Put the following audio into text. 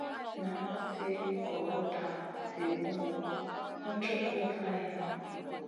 Nan sli gogoda vi bunu ma cuk kulufn hayna.